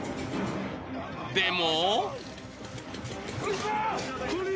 ［でも］